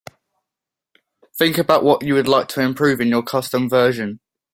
Think about what you would like to improve in your custom version.